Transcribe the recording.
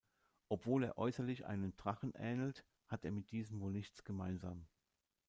Obwohl er äußerlich einem Drachen ähnelt, hat er mit diesem wohl nichts gemeinsam.